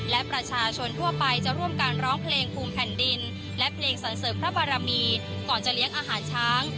และประชาชนทั่วไปจะร่วมกันร้องเพลงภูมิแผ่นดินและเพลงสรรเสริมพระบารมีก่อนจะเลี้ยงอาหารช้าง